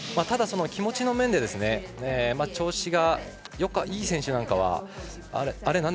ただ気持ちの面で調子がいい選手なんかはあれ？